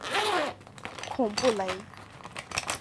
孔布雷。